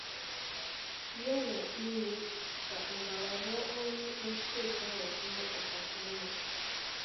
ya na ime ka ngalaba ọrụ ikpe steeti ahụ bụrụ ọkacha mma